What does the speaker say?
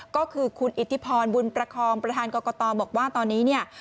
ก็คือคุณอิทธิพรบุญประคองประธานกรกตบอกว่าตอนนี้เนี่ย